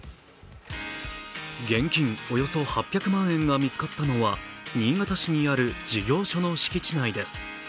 現金およそ８００万円が見つかったのは新潟市にある事業所の敷地内です。